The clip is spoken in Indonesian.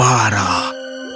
pangeran akan sakit parah